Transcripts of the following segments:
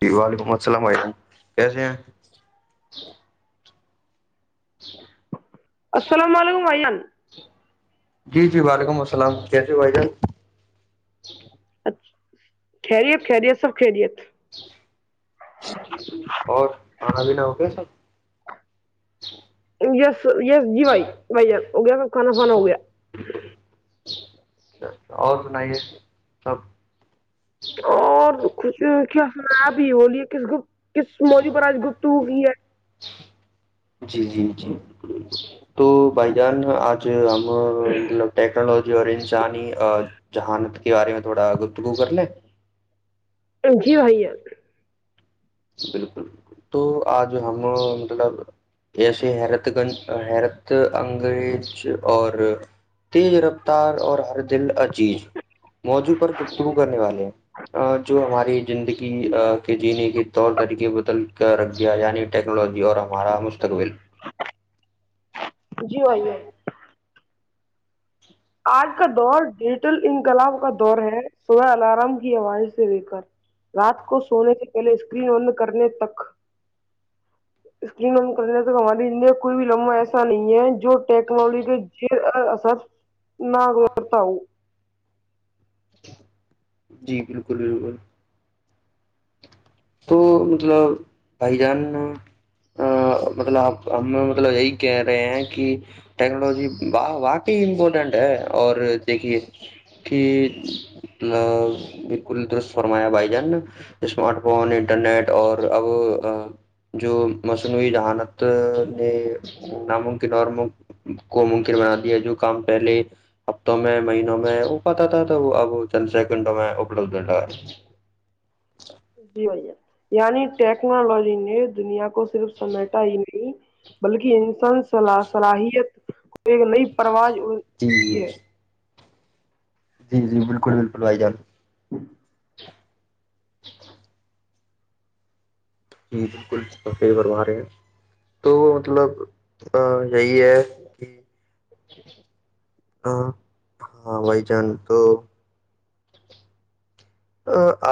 جی وعلیکم السلام عیکم کیسے ہیں اچھا السلام علیکم وان جی جی وعلیکم السلام کیسے بھائی جان خریت خریت سب خریت اور کھانا بینا ہو گ سب جس تو یہ جی بھائی بھائی ہو گیا کھانا پانا ہو گیا اچھا اچا اور بنائیے سب اور کھ کیا سناپ بھی بلیے کس کو کس موضوع پر آج گپت ہوگئی ہے جی جی جی تو بھائی جان آج مب ٹیکنوجی جووری جانی جہانت کے بارے میں تھوڑا گفتگو کر لے جی بھائییا بالکل بک تو آج ہم مطلب ایسے حیرت گنج حیرت انگریز اور تیز رفتار اور ہر دل اجیز موضوع پر گفتگو کرنے والے ہیں جو ہماری زندگی کے جینے کے طور طریقے بدل کر رکھ دیا یعنی ٹیکنالوجی اور ہمارا مستقبل جی بائی ہے آج کا دور ڈیجیٹل انقلاب کا دور ہے سو الارم کی آواز سے لے کر رات کو سونے سے پہلے اسکرین بند کرنے تک اسکرین بند کرنے تک ہماری انڈیا کوئی بھی لمبا ایسا نہیں ہے جو ٹیکنالوجی کے اثر نہاگ درتا ہ جی بالکل بالکل تو مطلب بھائی جان مطلب آ ہم مطلب یہی کہہ رہے ہیں کہ ٹیکنالوجی واقی امپورٹینٹ ہے اور دیکھیے کہب بالکل درست فرمایا بھائی جان اسمارٹ فون انٹرنیٹ اور اب جو مصنوعی ذہانت نے ناممکن اور کو ممکن بنا دیا جو کام پہلے ہفتوں میں مہینوں میں وہ پتہ تھا تو اب چند سیکنڈوں میں اپلبد ہوگا جی یعنی ٹیکنالوجی نے دنیا کو صرف سمے ٹائی نہیں بلکہ انسان سے صلا صلاحیت کو ایک نئی پرواز جی اڑھی ہے جی جی جی بالکل بالکل آائی جان جی بالکل صف بروا رہے ہیں تو مطلب یہی ہے کہ ہاں بھائی جان تو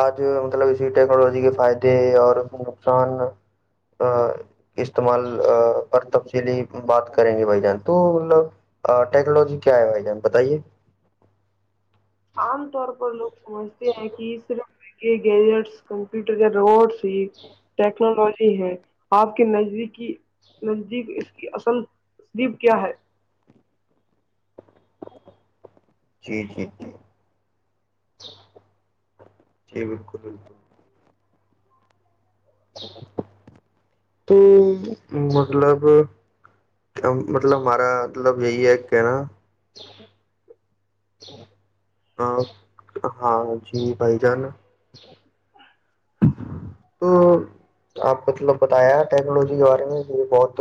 آج مطلب اسی ٹیکنالوجی کے فائدے اور نقصان استعمال پر تفصیلی بات کریں گے بھائی جان تو مطلب ٹیکنالوجی کیا ہے بھائی جان بتائیے آام توور بو سمجتے ہیں کہ صرف گیجٹس کمپیوٹر روڈس ج ٹیکنالوجی ہیں آپ کے نزد نزدیک اس کی اصل تصلیب کیا ہے جی جی جی جی بالکل بالکل تو مطلب مطلب ہمارا مطلب یہی ہے کہنا ا ہاں جی بھائی جان تو آپ کوطلب بتایا ٹیکنالوجی کے بارے میں یہ بہت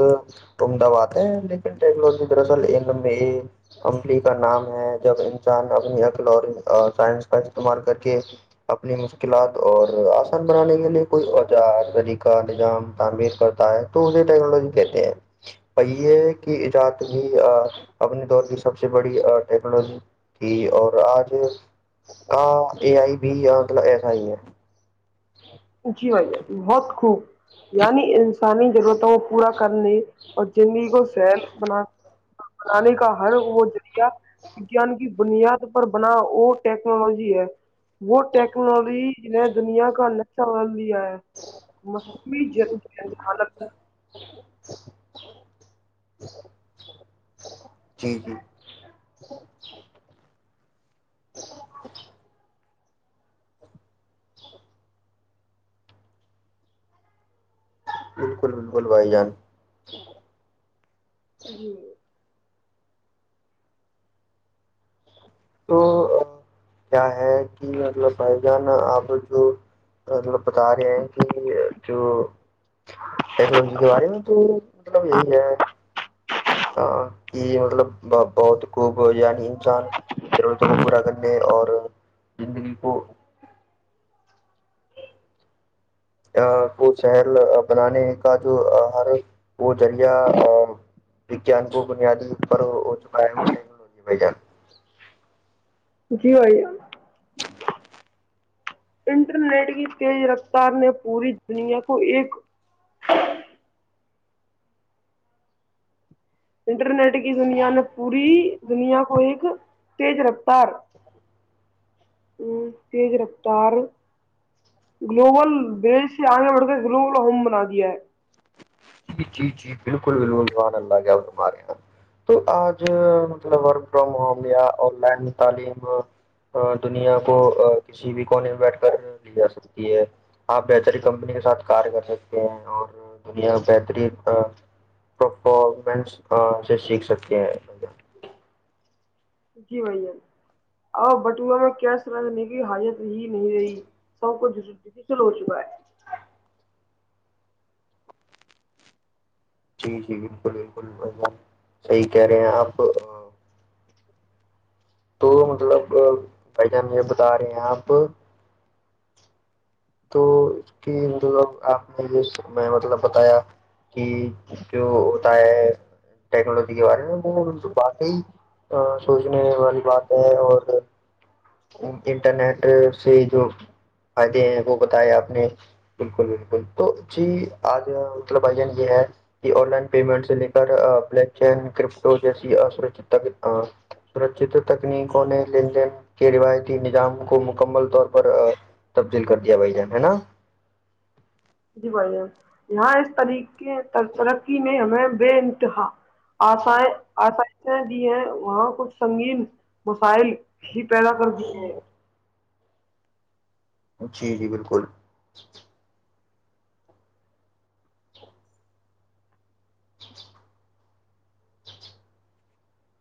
عمدہ بات ہے لیکن ٹیکنالوجی درصل ام اے عملی کا نام ہے جب انسان اپنی عقل اور سائنس کا استعمال کر کے اپنی مشکلات اور بنانے کے لیے کوئی اوجار طریقہ نظام تعمیر کرتا ہے تو اسے ٹیکنالوجی کہتے ہیں پیے کہ ایجاد اپنے دور کی سب سے بڑی ٹیکنالوجی تھی اور آج کا اے آئی بھی مطلب ایسا ہی ہے جی بائی جائے بہت خوب یعنی آسانی ضرورتوں کو پورا کرنے اور زندگی کو سیل بنا بنانے کا ہر وہ ذریعہ وگان کی بنیاد پر بنا وہ ٹیکنالوجی ہے وہ ٹیکنالوجی دنیا کا سو بھی ہے مسی حالت جی جی بالکل بالکل بھائی جان جی تو کیا ہے کہ مطلب بھائی جان آپ جو مطلب بتا رہے ہیں کہ جو ٹیکنالوجی کے بارے میں تو مطلب یہی ہے ہاں کہ مطلب ب بہت خوب ہو جاانی انسان ضرورتوں کو پورا کرنے اور زندگی کو ا کو شہر بنانے کا جو ہر وہ ذریعہ وجان کو بنیادیپ ج ب ج جی بھیا انٹرنیٹ کی تیز رفتار نے پوری دنیا کو ایک انٹرنیٹ کی دنیا نے پوری دنیا کو ایک تیز رفتار ا تیز رفتار گلوبل ولیج سے آگے بڑھ کر گلوبل ہوم بنا دیا ہے جی جی بالکل بالکل ران اللہ گ ہمارے یہاں تو آج مطلب ورک فرام ہوم یا آن لائن تعلیم دنیا کو کسی بھی کونے میں بیٹھ کر لی جا سکتی ہے آپ بہتری کمپنی کے ساتھ کار کر سکتے ہیں اور دنیا بتر پرفمنس سے سیکھ سکتے ہیں جی بھ اور بٹوا میں کیا سرنے کی حالیت ہی نہیں رہی سب کول ہو چکا ہے جی جی بالکل بالکل صحیح کہہ رہے ہیں آپ تو مطلب بھ جان یہ بتا رہے ہیں آپ تو اس کیلب آپ نے جو میں مطلب بتایا کہ جو ہوتا ہے ٹیکنالوجی کے بارے میں وہ بات ہی سوچنے والی بات ہے اور انٹرنیٹ سے جو فائدے ہیں وہ بتایا آپ نے بالکل بالکل تو جی آج ملب بین یہ ہے کہ آن لائن پیمنٹ سے لے کرلیک چین کرپٹو جیسیک سرکچ تکنیکوں نے لین دین کے روایتی نظام کو مکمل طور پر تبدیل کر د بائی جان ہے نا جی بھائی یہاں اس طاریخ ترقی نے ہمیں وٹ ہے آسائیں آسانی بھی ہیں وہاں کچھ سنگین م فائل بھی پیدا کر دی ہے جی جی بالکل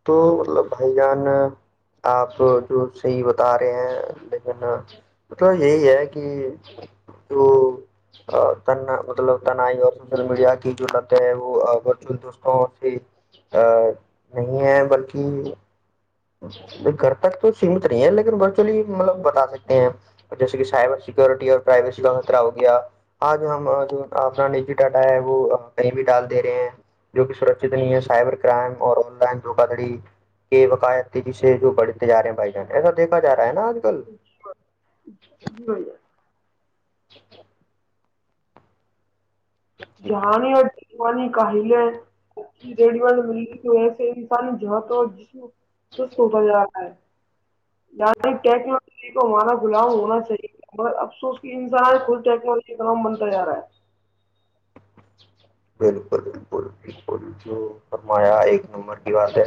تو مطلب بھائی جان آپ جو صحیح بتا رہے ہیں لیکن مطلب یہی ہے کہ جو مطلب تنائی اور سوشل میڈیا کی جوورت ہے وہ ورچل دوستوں سے نہیں ہے بلکہ گھر تک تو سیمت نہیں ہے لیکن ورچولی مطلب بتا سکتے ہیں جیسے کہ سائبر سیکورٹی اور پرائیویسی کا خطرہ ہو گیا آج ہم جو اپنا نجی ڈاٹا ہے وہ نہیںیں بھی ڈال دے رہے ہیں جو کہ سرکچت نہیں ہے سائبر کرائم اور آن لائن دھوکا دھڑی کے بقاعد تیزی سے جو بڑھتے جا رہے بھائی جان ایسایکھا ہے نا آ جی ج ٹھ جی جانی اوروانی کہل ریڈیو نے م تو ایسے انسان جاں تو جسم سست ہوتا جا رہا ہے ی ٹیکنوجی کو ہمارا ام ہونا چاہیے اب او کی انسان کل ٹیکنالوجی کا نام بنتا جا رہا ہے بالکل بالکل بالکل جو فرمایا ایک نمبر کی بات ہے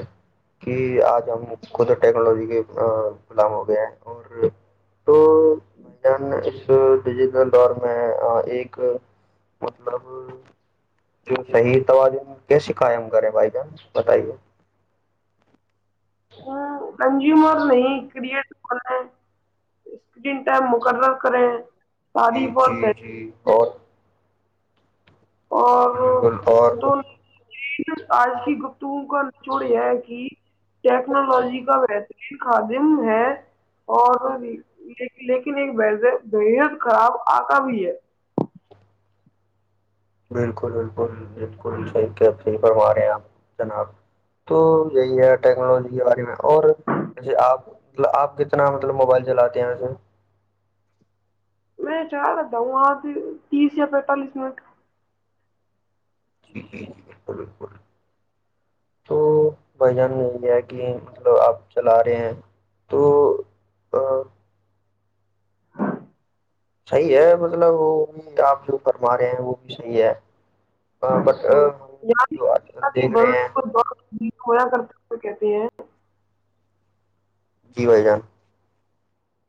کہ آج ہم خود ٹیکنالوجی کے غلام ہو گیا ہے اور تو ب جان اس ڈیجیٹل دور میں ایک مطلب جو صحیح توازن کیسے قائم کریں بھائی جان بتائیے ہ کنزومر نہیں کرٹ م اسکرین ٹائم مقرر کریں ساریی جی ب تح جی جی اور اور بالکل بالکل اور تو کچھ آج کی گپتؤں کا لچوڑ یہ کہ ٹیکنالوجی کا بہترین خادم ہے اور لیکن ایک ب بےحد خراب آتا بھی ہے بالکل بالکل بالکل صحیح صحیح فرما رہے ہیں آپ جناب تو یہی ہے ٹیکنالوجی کے بارے میں اور جیسے آپ آپ کتنا مطلب موبائل چلاتے ہیںے میں چاہ کرتا ہوں آج تیس یا پینتالیس منٹ جی جی جی بالکل بالکل تو بھائی جان میں یہ ہے کہ مطلب آپ چلا رہے ہیں تو صحیح ہے مطلب وہ بھی آپ جو فرما رہے ہیں وہ بھی صحیح ہے بٹ ہم جو آج کل یا کہ دیکھ بل رہے ہیں ب ہویا کرتے ہوئے کہتے ہیں جی بائی جان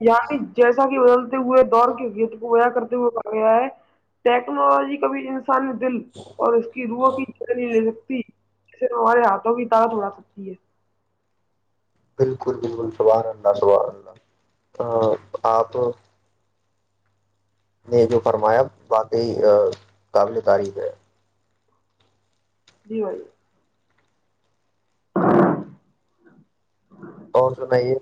یعنی جیسا کہ بدل ہوئے دور کے گیت کو ہویا کرتے وہ کر گیا ہے ٹیکنالوجی کا بھی ج دل اور اس کی روح کی چہری لے سکتی صرف ہمارے ہاتھوں کی طاقت بڑھا سکتی ہے بالکل بالکل سوارلہ سوارلہ ہ آپ ہاں نے جو فرمایا واقعی قابل تریف ہے دیوال اور سنائیے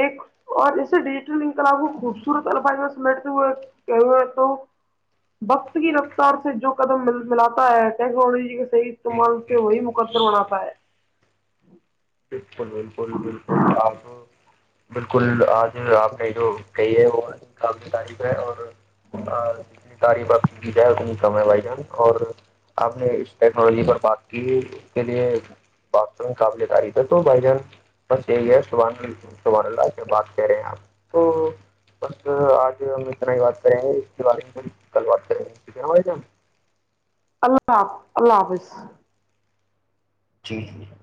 ایک اور اسسے ڈیجیٹل ان کو خوبصور الفائی بیٹھتے ہوئے کہ ہوئے تو وقت کی رفتار سے جو قدم ملاتا ہے ٹیکنالوجی کے استعمال سے وہی مقدر ہوناتا ہے پ کو بالکل بالک آگ بالکل آج آپ نے جو کہی ہے وہ قابل تعریف ہے اور جتنی تعریف اپ کی کی جائے اتنی کم ہے بھائی جان اور آپ نے اس ٹیکنالوجی پر بات کی اس کے لیے بات کروں قابل تعریف تو بھائی جان بس یہی ہےبح سبحان اللہ سے بات کہ رہے ہیں آپ تو بس آج ہم اتنا ہی بات کریں گے اس کے بارے میں کل بات کریں گے ٹھیک ہے نا بھائی جان اللہ حا اللہ حافظ ٹھیک ٹ